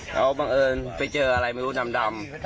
แล้วบังเอิญไปเจออะไรไม่รู้ดำ